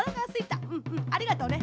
うんうんありがとうね。